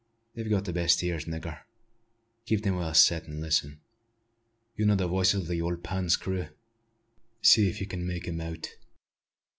You've got the best ears, nigger: keep them well set, an' listen. You know the voices o' the ole Pan's crew. See if you can make 'em out."